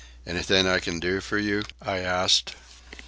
"Anything I can do for you?" I asked.